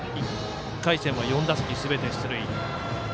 １回戦は４打席すべて出塁。